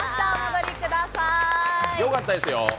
良かったですよ。